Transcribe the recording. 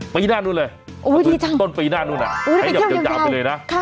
ปีหน้านู้นเลยต้นปีหน้านู้นขยับยาวไปเลยนะ